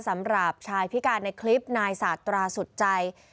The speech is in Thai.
สำหรับชายพิการในคลิปนายสาตราสุดใจ